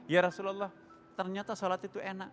ya rasulullah ternyata sholat itu enak